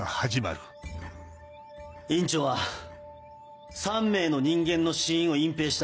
院長は３名の人間の死因を隠蔽した。